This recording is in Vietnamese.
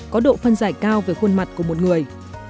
có độ phân giải cao về khuôn mặt của một người